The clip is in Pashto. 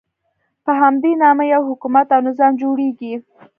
په همدې نامه یو حکومت او نظام جوړېږي.